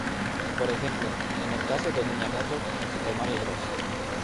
Por ejemplo, en el caso de Miyamoto con "Super Mario Bros.